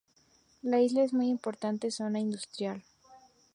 La isla es una muy importante zona industrial.